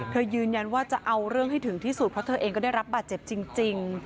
ยืนยันว่าจะเอาเรื่องให้ถึงที่สุดเพราะเธอเองก็ได้รับบาดเจ็บจริง